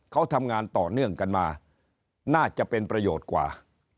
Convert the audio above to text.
เขาทำงานต่อเนื่องกันมาน่าจะเป็นประโยชน์กว่า